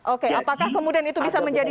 oke apakah kemudian itu bisa menjadi